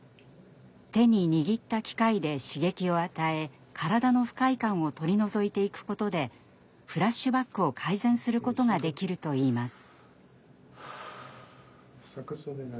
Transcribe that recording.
手に握った機械で刺激を与え体の不快感を取り除いていくことでフラッシュバックを改善することができるといいます。